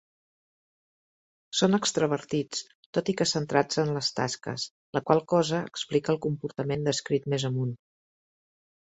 Són extravertits, tot i que centrats en les tasques, la qual cosa explica el comportament descrit més amunt.